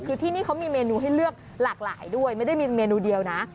คือที่นี่เขามีเมนูให้เลือกหลากหลายด้วยไม่ได้มีเมนูเดียวนะ